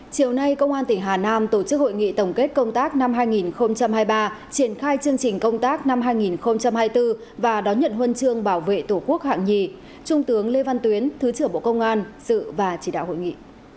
chiều nay công an tỉnh hà nam tổ chức hội nghị tổng kết công tác năm hai nghìn hai mươi ba triển khai chương trình công tác năm hai nghìn hai mươi bốn và đón nhận huân chương bảo vệ tổ quốc hạng nhì trung tướng lê văn tuyến thứ trưởng bộ công an sự và chỉ đạo hội nghị